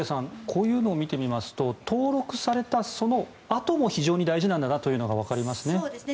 こういうのを見てみますと登録されたそのあとも非常に大事なんだなというのがわかりますね。